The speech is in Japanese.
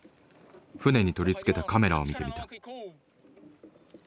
船に取り付けたカメラを見てみた。